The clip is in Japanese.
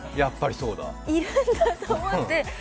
いるんだと思って。